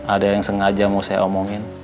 ada yang sengaja mau saya omongin